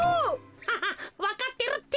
ハハわかってるって。